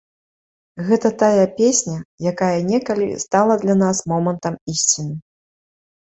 Гэта тая песня, якая некалі стала для нас момантам ісціны.